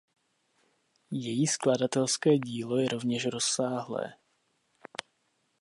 Její skladatelské dílo je rovněž rozsáhlé.